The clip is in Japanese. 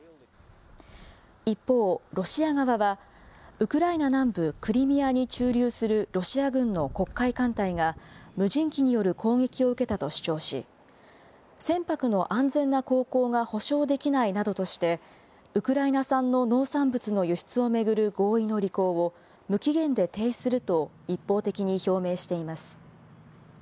一方、ロシア側は、ウクライナ南部クリミアに駐留するロシア軍の黒海艦隊が、無人機による攻撃を受けたと主張し、船舶の安全な航行が保証できないなどとして、ウクライナ産の農産物の輸出を巡る合意の履行を無期限で停止すると、一方的に表明しています。